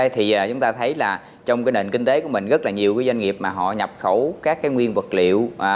thì chúng ta thấy là trong nền kinh tế của mình rất là nhiều doanh nghiệp mà họ nhập khẩu các nguyên vật liệu